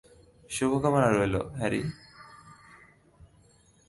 শুভকামনা রইলো, হ্যারি।